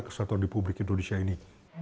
kesatuan di publik indonesia ini